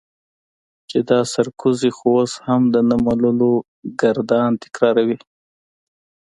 چې دا سرکوزی خو اوس هم د نه منلو ګردان تکراروي.